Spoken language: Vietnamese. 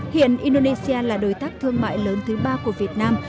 hiện indonesia là đối tác thương mại lớn thứ ba của việt nam